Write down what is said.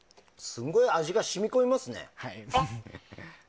すごい味が染み込みますね。